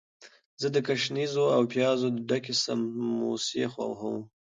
زه د ګشنیزو او پیازو ډکې سموسې خوښوم.